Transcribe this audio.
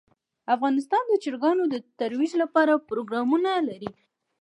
افغانستان د چرګانو د ترویج لپاره پروګرامونه لري.